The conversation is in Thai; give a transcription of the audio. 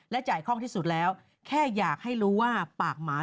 จ่ายคล่องที่สุดแล้วแค่อยากให้รู้ว่าปากหมา